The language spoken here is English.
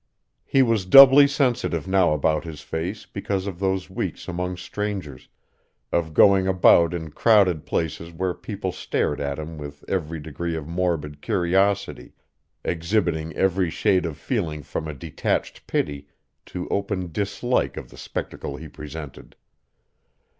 He was doubly sensitive now about his face because of those weeks among strangers, of going about in crowded places where people stared at him with every degree of morbid curiosity, exhibiting every shade of feeling from a detached pity to open dislike of the spectacle he presented.